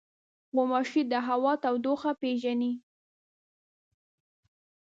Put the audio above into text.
غوماشې د هوا تودوخه پېژني.